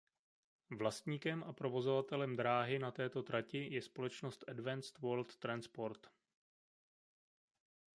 Vlastníkem a provozovatelem dráhy na této trati je společnost Advanced World Transport.